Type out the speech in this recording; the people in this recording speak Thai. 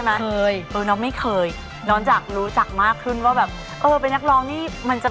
มาค่ะนางน่างลูกนางเป็นคนเหมือนว่า